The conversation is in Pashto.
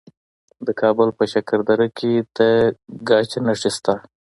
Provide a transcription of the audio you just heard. د کابل په شکردره کې د ګچ نښې شته.